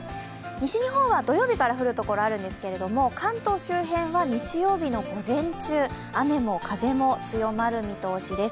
西日本は土曜日から降るところがあるんですけど、関東周辺は日曜日の午前中、雨も風も強まる見通しです。